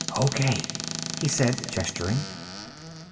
"Okay," he said, gesturing.